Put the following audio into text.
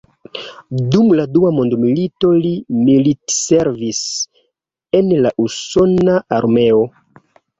Dum la Dua Mondmilito li militservis en la Usona Armeo.